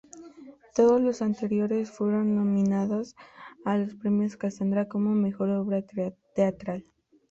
Todos los anteriores fueron nominados a los premios Casandra como "Mejor obra Teatral".